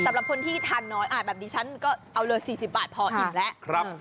สำหรับคนที่ทานน้อยแบบนี้ฉันก็เอาเลย๔๐บาทพออิ่มแล้ว